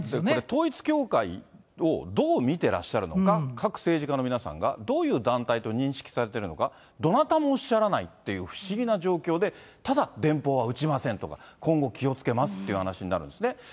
統一教会をどう見てらっしゃるのか、各政治家の皆さんが、どういう団体と認識されているのか、どなたもおっしゃらないという不思議な状況で、ただ電報は打ちませんとか、今後気をつけますって話になるんですね。